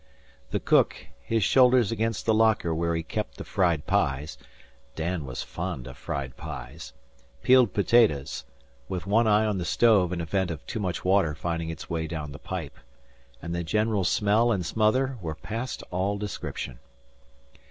The cook, his shoulders against the locker where he kept the fried pies (Dan was fond of fried pies), peeled potatoes, with one eye on the stove in event of too much water finding its way down the pipe; and the general smell and smother were past all description.